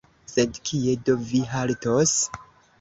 sed kie do vi haltos?